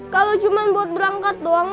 kalau cuma buat berangkat doang